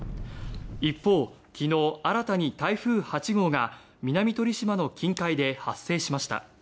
一方、昨日新たに台風８号が南鳥島の近海で発生しました。